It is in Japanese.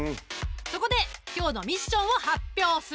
そこで今日のミッションを発表する！